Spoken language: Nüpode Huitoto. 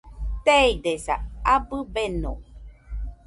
Teidesa, abɨ beno